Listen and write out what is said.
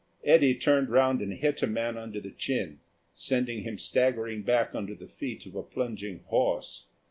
Eddy turned round and hit a man under the chin, sending him staggering back under the feet of a plunging horse.